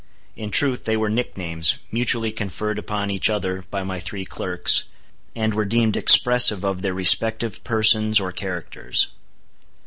In truth they were nicknames, mutually conferred upon each other by my three clerks, and were deemed expressive of their respective persons or characters.